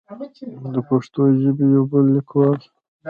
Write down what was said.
د پښتو ژبې يو بل ليکوال